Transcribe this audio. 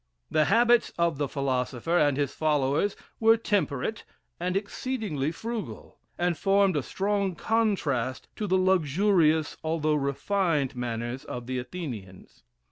The habits of the philosopher and his followers were temperate and exceedingly frugal, and formed a strong contrast to the luxurious, although refined, manners of the Athenians.